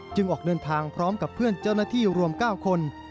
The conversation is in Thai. ออกเดินทางพร้อมกับเพื่อนเจ้าหน้าที่รวม๙คน